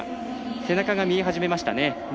背中が見え始めました。